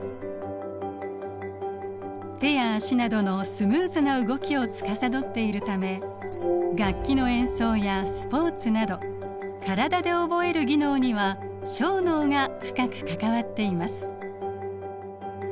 手や足などのスムーズな動きをつかさどっているため楽器の演奏やスポーツなど体で覚える技能には小脳が深く関わっています。